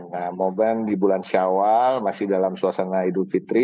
nah momen di bulan syawal masih dalam suasana idul fitri